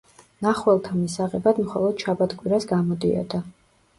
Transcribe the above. მნახველთა მისაღებად მხოლოდ შაბათ-კვირას გამოდიოდა.